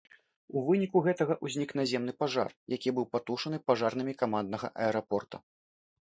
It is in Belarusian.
У выніку гэтага ўзнік наземны пажар, які быў патушаны пажарнымі камандамі аэрапорта.